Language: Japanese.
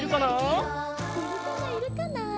いるかないるかな？